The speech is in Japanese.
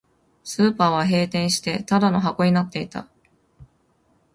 スーパーは閉店して、ただの箱になっていた